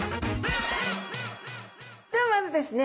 ではまずですね